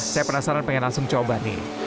saya penasaran pengen langsung coba nih